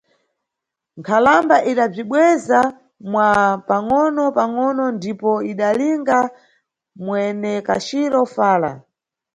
Nkhalamba idabzibweza, mwa pangʼono pangʼono, ndipo idalinga mwenekaciro fala.